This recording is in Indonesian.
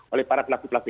oleh para pelaku pelaku